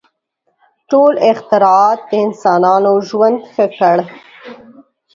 • ټول اختراعات د انسانانو ژوند ښه کړ.